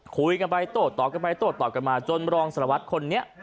คุยกันไปโต้ต่อกันไปโต้ต่อกันมาจนรองสารวัตรคนนี้